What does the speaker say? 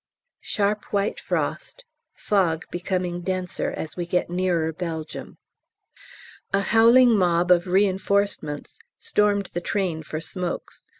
Sharp white frost, fog becoming denser as we get nearer Belgium. A howling mob of reinforcements stormed the train for smokes.